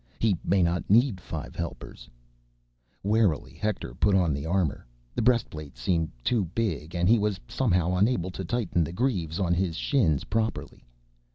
He may not need five helpers. Warily, Hector put on the armor. The breastplate seemed too big, and he was somehow unable to tighten the greaves on his shins properly.